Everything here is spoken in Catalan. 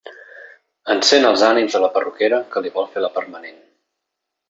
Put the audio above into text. Encén els ànims de la perruquera que li vol fer la permanent.